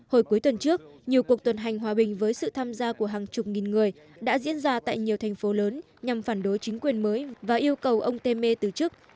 hồi cuối tuần trước nhiều cuộc tuần hành hòa bình với sự tham gia của hàng chục nghìn người đã diễn ra tại nhiều thành phố lớn nhằm phản đối chính quyền mới và yêu cầu ông temer từ chức